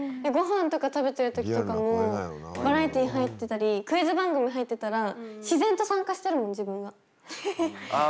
ごはんとか食べてる時とかもバラエティ入ってたりクイズ番組入ってたら自然と参加してるもん自分が。